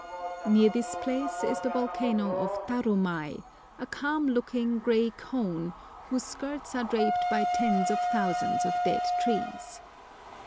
Near this place is the volcano of Tarumai, a calm looking, grey cone, whose skirts are draped by tens of thousands of dead trees.